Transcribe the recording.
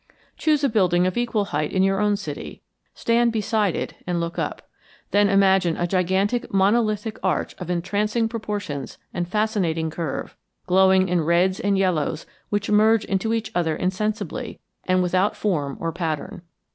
Choose a building of equal height in your own city, stand beside it and look up. Then imagine it a gigantic monolithic arch of entrancing proportions and fascinating curve, glowing in reds and yellows which merge into each other insensibly and without form or pattern.